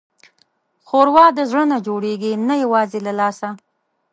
ښوروا د زړه نه جوړېږي، نه یوازې له لاسه.